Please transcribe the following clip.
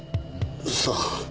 さあ。